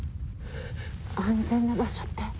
安全な場所って？